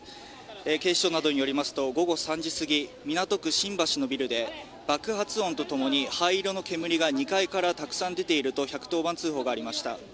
警視庁などによりますと午後３時過ぎ港区新橋のビルで爆発音と共に灰色の煙が２階からたくさん出ていると１１０番通報がありました。